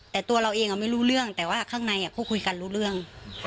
แต่ตัวเราเองไม่รู้เรื่องแต่ว่าข้างในเขาคุยกันรู้เรื่อง